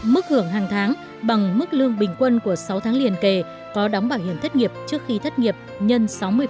mức hưởng hàng tháng bằng mức lương bình quân của sáu tháng liên kề có đóng bảo hiểm thất nghiệp trước khi thất nghiệp nhân sáu mươi